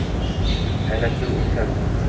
Hayratidan oʼlsam…